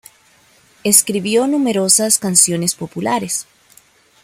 Escribió numerosas canciones populares.